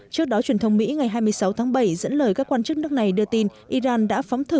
trước đó truyền thông mỹ ngày hai mươi sáu tháng bảy dẫn lời các quan chức nước này đưa tin iran đã phóng thử